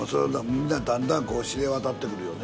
みんなにだんだんこう知れ渡ってくるよね。